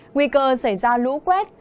nguy cơ xảy ra lũ quét